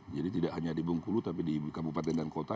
jadi tidak hanya di bengkulu tapi di kabupaten dan kota